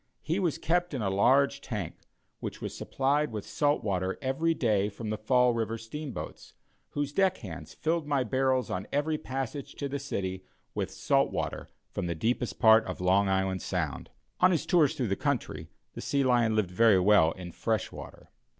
He was kept in a large tank, which was supplied with salt water every day from the Fall River steamboats, whose deck hands filled my barrels on every passage to the [Illustration: THE PRINCE IN THE MUSEUM.] city with salt water from the deepest part of Long Island Sound. On his tours through the country the sea lion lived very well in fresh water.